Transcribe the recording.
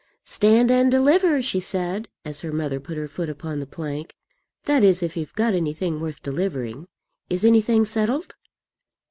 "Stand and deliver," she said, as her mother put her foot upon the plank. "That is, if you've got anything worth delivering. Is anything settled?"